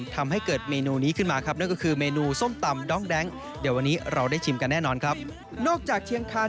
วัชรีดวงใสข่าวเทราะทีวีรายงาน